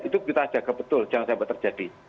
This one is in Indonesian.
itu kita jaga betul jangan sampai terjadi